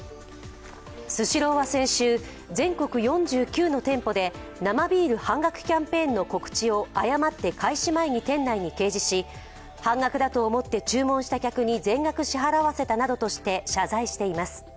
スシローは先週、全国４９の店舗で生ビール半額キャンペーンの告知を誤って開始前に店内に掲示し、半額だと思って注文した客に全額支払わせたなどとして謝罪しています。